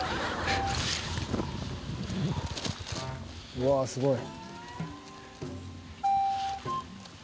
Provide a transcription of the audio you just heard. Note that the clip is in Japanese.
「うわあすごい」